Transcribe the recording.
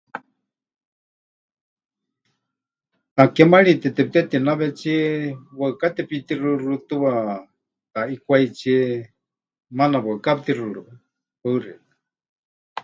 Takémarite temɨtetinawetsie waɨká tepitixɨxɨtɨwa taʼikwaitsie, maana waɨká pɨtixɨriwe. Paɨ xeikɨ́a.